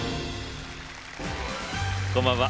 こんばんは。